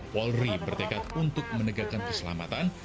polri bertekad untuk menegakkan keselamatan